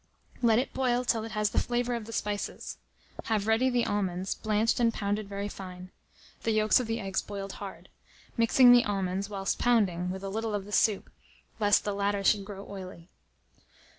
Let it boil till it has the flavour of the spices. Have ready the almonds, blanched and pounded very fine; the yolks of the eggs boiled hard; mixing the almonds, whilst pounding, with a little of the soup, lest the latter should grow oily.